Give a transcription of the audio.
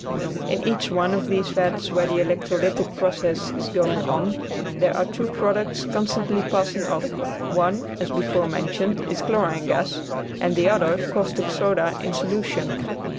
In each one of these vats where the electrolytic process is going on there are two products constantly passing off; one, as before mentioned, is chlorine gas, and the other caustic soda in solution.